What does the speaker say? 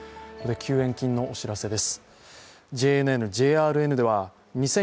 救援金のお知らせです。